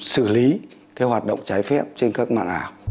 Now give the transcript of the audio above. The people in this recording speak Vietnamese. xử lý hoạt động trái phép trên các mạng ảo